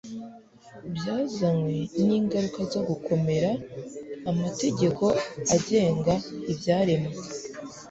byazanywe ningaruka zo kugomera amategeko agenga ibyaremwe